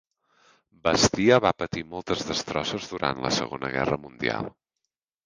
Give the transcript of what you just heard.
Bastia va patir moltes destrosses durant la Segona Guerra Mundial.